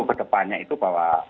ke depannya itu bahwa